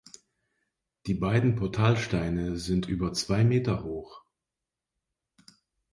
Die beiden Portalsteine sind über zwei Meter hoch.